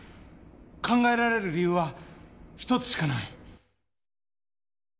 考えられる理由は一つしかない。